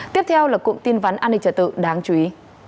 tiếp theo là cụm tin vắn an ninh trở tự đáng chú ý